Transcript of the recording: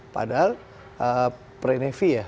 padahal prenevi ya